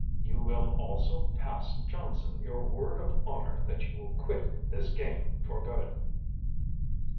You will also pass Johnson your word of honor that you will quit this game for good."